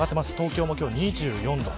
東京も今日は２４度。